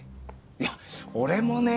いや俺もね